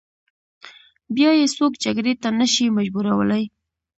بیا یې څوک جګړې ته نه شي مجبورولای.